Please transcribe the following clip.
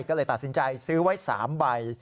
ก็เลยตัดสินใจซื้อไว้๓ใบ